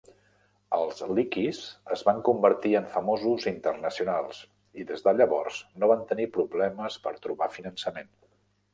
Els Leakeys es van convertir en famosos internacionals i, des de llavors, no van tenir problemes per trobar finançament.